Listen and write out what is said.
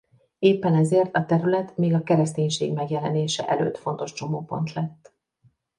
Éppen ezért a terület még a kereszténység megjelenése előtt fontos csomópont lett.